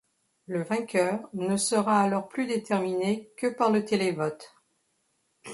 Le vainqueur ne sera alors plus déterminé que par le télévote.